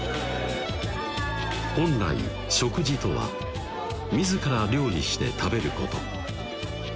本来食事とは自ら料理して食べること